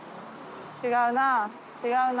違うな。